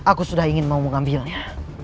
aku sudah ingin mengambilnya